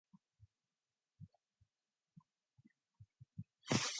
A diaspora of over a million is spread throughout the rest of the world.